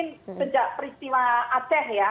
sejak peristiwa aceh ya